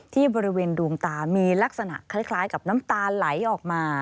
ที่บริเวณดวงตามีลักษณะคล้ายกับน้ำตาไหลออกมา